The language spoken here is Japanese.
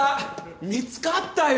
見つかったよ！